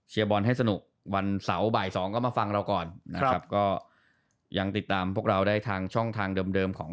บอลให้สนุกวันเสาร์บ่ายสองก็มาฟังเราก่อนนะครับก็ยังติดตามพวกเราได้ทางช่องทางเดิมของ